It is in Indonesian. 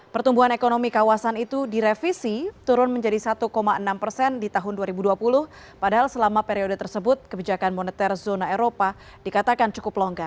pertumbuhan ekonomi kawasan itu direvisi turun menjadi satu enam persen di tahun dua ribu dua puluh padahal selama periode tersebut kebijakan moneter zona eropa dikatakan cukup longgar